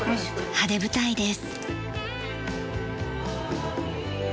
晴れ舞台です。